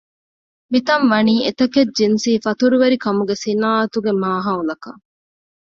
މިތަން ވަނީ އެތަކެއް ޖިންސީ ފަތުރުވެރިކަމުގެ ޞިނާޢަތުގެ މާހައުލަކަށް